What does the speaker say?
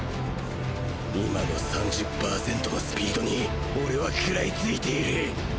今の３０パーセントのスピードに俺はくらいついている！